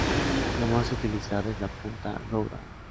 La más utilizada es la punta Gouda.